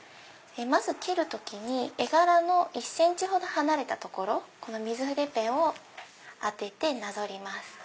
まず切る時に絵柄の１ｃｍほど離れた所水筆ペンを当ててなぞります。